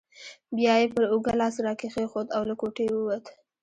بیا یې پر اوږه لاس راکښېښود او له کوټې ووت.